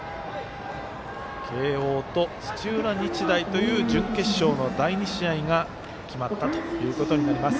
慶応と土浦日大という準決勝の第２試合が決まったことになります。